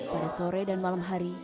pada sore dan malam hari